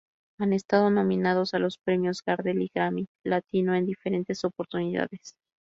Han estado nominados a los Premios Gardel y Grammy Latino en diferentes oportunidades.